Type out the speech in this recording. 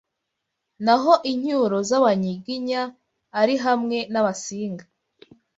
Naho incyuro z’Abanyiginya ari hamwe n’Abasinga